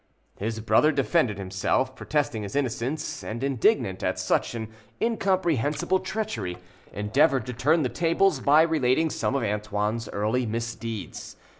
His brother defended himself, protesting his innocence, and, indignant at such incomprehensible treachery, endeavoured to turn the tables by relating some of Antoine's early misdeeds.